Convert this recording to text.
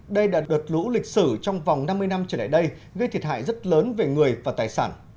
đây là đợt lũ lịch sử trong vòng năm mươi năm trở lại đây gây thiệt hại rất lớn về người và tài sản